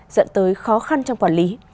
dẫn tới khó khăn trong quản lý